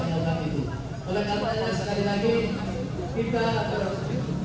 melakukan pembulingan secara ekstra paruver